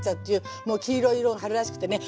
もう黄色い色が春らしくてね